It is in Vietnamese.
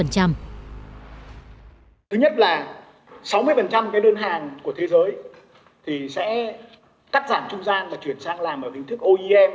thứ nhất là sáu mươi cái đơn hàng của thế giới thì sẽ cắt giảm trung gian và chuyển sang làm ở hình thức oem